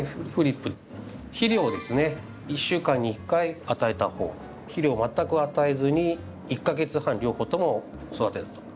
肥料をですね１週間に１回与えた方肥料を全く与えずに１か月半両方とも育てたと。